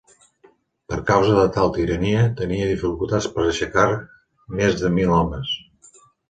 Per causa de tal tirania, tenia dificultats per aixecar més de mil homes.